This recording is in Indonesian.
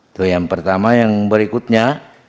itu yang pertama yang berikutnya